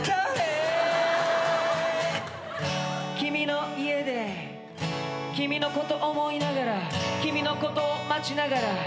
「君の家で君のこと思いながら君のことを待ちながら」